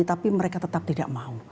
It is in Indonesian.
tapi mereka tetap tidak mau